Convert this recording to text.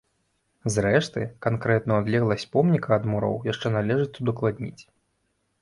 Зрэшты, канкрэтную адлегласць помніка ад муроў яшчэ належыць удакладніць.